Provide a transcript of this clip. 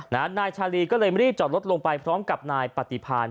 นายชาลีก็เลยรีบจอดรถลงไปพร้อมกับนายปฏิพาน